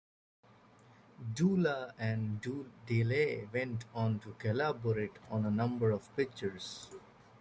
Dulac and Delluc went on to collaborate on a number of pictures.